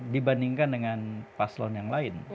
dibandingkan dengan paslon yang lain